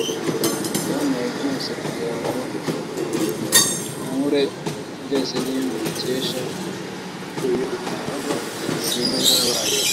yampaye byose kugira ngo nkure byose niyo mbikesha kuko iyo itahaba simba narabayeho